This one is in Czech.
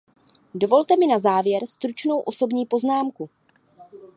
Dovolte mi na závěr stručnou osobní poznámku.